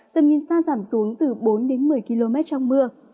tầm nhìn xa giảm xuống từ bốn đến một mươi km trong mưa